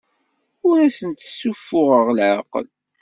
Ur asent-ssuffuɣeɣ leɛqel.